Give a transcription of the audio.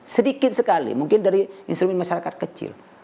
sedikit sekali mungkin dari instrumen masyarakat kecil